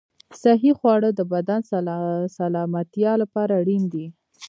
صحي خواړه د بدن سلامتیا لپاره اړین دي.